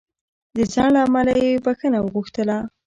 د ځنډ له امله یې بخښنه وغوښتله.